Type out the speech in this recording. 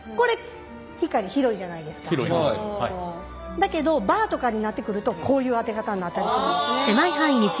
だけどバーとかになってくるとこういう当て方になったりするんですね。